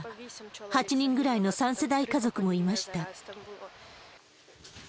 ８人ぐらいの３世代家族もいました。